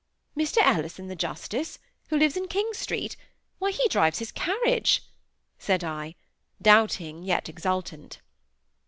"Mr Ellison the Justice!—who lives in King Street? why, he drives his carriage!" said I, doubting, yet exultant.